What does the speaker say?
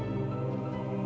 tentang apa yang terjadi